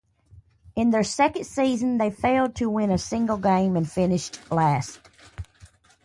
In their second season they failed to win a single game and finished last.